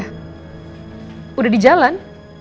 sudah di jalan